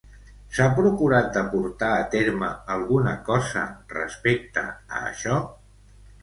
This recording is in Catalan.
S'ha procurat de portar a terme alguna cosa respecte a això?